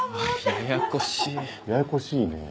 ややこしいね。